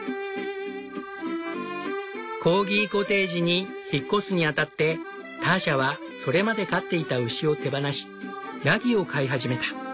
コーギコテージに引っ越すに当たってターシャはそれまで飼っていた牛を手放しヤギを飼い始めた。